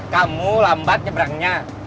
kamu lambat nyebrangnya